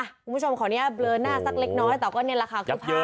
คุณผู้ชมของนี้เบลอหน้าสักเล็กน้อยแต่ก็นี่ล่ะค่ะ